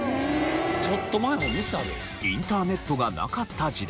ちょっと前も見たで。